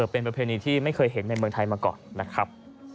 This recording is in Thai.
เป็นประเพณีที่ไม่เคยเห็นในเมืองไทยมาก่อนนะครับ